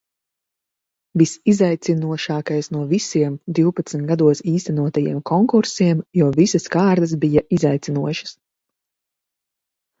Visizaicinošākais no visiem divpadsmit gados īstenotajiem konkursiem, jo visas kārtas bija izaicinošas.